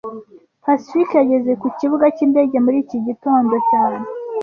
Pacifique yageze ku kibuga cyindege muri iki gitondo cyane